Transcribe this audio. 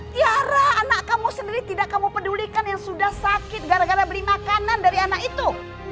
tiara anak kamu sendiri tidak kamu pedulikan yang sudah sakit gara gara beli makanan dari anak itu